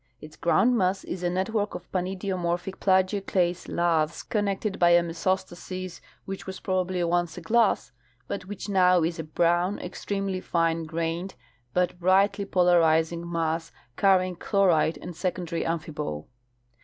Its groundmass is a network of panidiomorphic plagioclase laths connected by a mesostasis which was prolxibly once a glass, but which now is a brown, extremely fine grained, but brightly polarizing mass carrying chlorite and secondary amphibole.